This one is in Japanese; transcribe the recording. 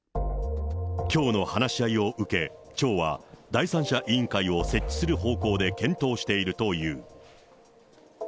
きょうの話し合いを受け、町は第三者委員会を設置する方向で検討しているという。